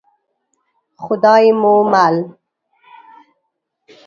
خدای مو مل.